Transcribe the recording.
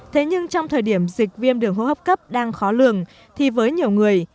thế nhưng trong thời điểm dịch viêm đường hô hấp cấp đang khó lường thì với nhiều người